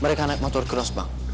mereka naik motor cross bang